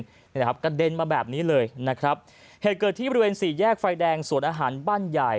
นี่แหละครับกระเด็นมาแบบนี้เลยนะครับเหตุเกิดที่บริเวณสี่แยกไฟแดงสวนอาหารบ้านใหญ่